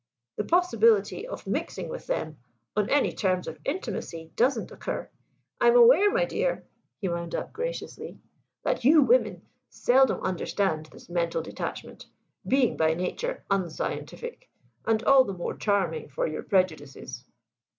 The possibility of mixing with them on any terms of intimacy doesn't occur. I am aware, my dear," he wound up graciously, "that you women seldom understand this mental detachment, being by nature unscientific, and all the more charming for your prejudices."